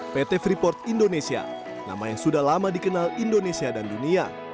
pt freeport indonesia nama yang sudah lama dikenal indonesia dan dunia